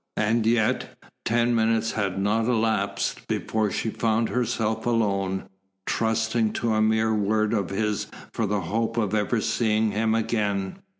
And yet ten minutes had not elapsed before she found herself alone, trusting to a mere word of his for the hope of ever seeing him again.